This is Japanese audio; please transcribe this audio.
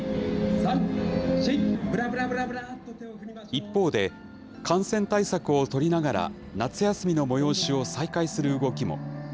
一方で、感染対策を取りながら、夏休みの催しを再開する動きも。